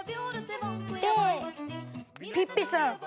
ピッピさん！